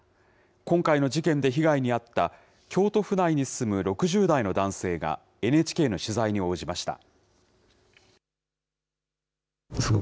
今回の事件で被害に遭った、京都府内に住む６０代の男性が、ＮＨＫの取材に応じました。